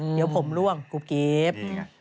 เดี๋ยวผมร่วงกุบกีบ